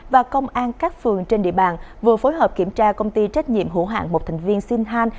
và công an các phường trên địa bàn vừa phối hợp kiểm tra công ty trách nhiệm hữu hạng một thành viên sinh han